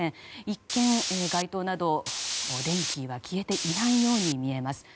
一見、街灯など電気は消えていないように見えます。